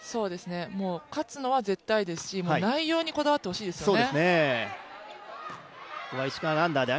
勝つのは絶対ですし、内容にこだわってほしいですよね。